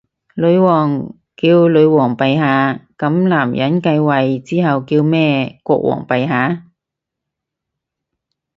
女王叫女皇陛下，噉男人繼位之後叫咩？國王陛下？